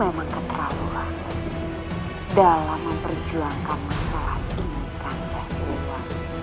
aku memang keterlaluan dalam memperjuangkan masalah ingin kandas saya